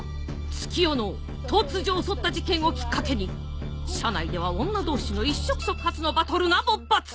月夜野を突如襲った事件をきっかけに社内では女同士の一触即発のバトルが勃発！